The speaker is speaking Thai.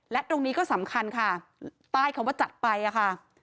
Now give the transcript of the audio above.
และตรงนี้ก็สำคัญค่ะใต้คำว่าจัดไปค่ะ